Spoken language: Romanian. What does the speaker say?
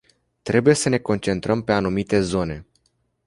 Trebuie să ne concentrăm pe anumite zone.